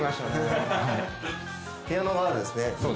ピアノがあるんですね。